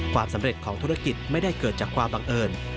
ความสำเร็จของธุรกิจไม่ได้เกิดจากความบังเอิญ